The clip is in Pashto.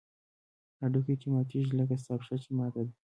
هډوکى چې ماتېږي لکه ستا پښه چې ماته ده.